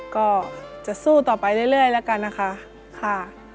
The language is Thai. ก็จะสู้ต่อไปเรื่อยแล้วกันนะคะค่ะ